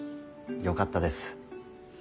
よかったです。